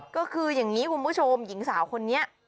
ก็คืออย่างนี้คุณผู้ชมหญิงสาวคนนี้